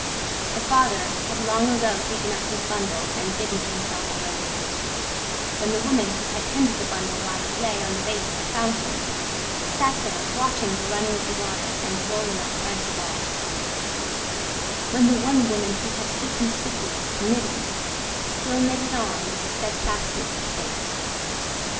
The father had long ago taken up his bundle and bidden himself away with it, when the women who had tended the bundle while it lay on the base of the fountain, sat there watching the running of the water and the rolling of the Fancy Ball when the one woman who had stood conspicuous, knitting, still knitted on with the steadfastness of Fate.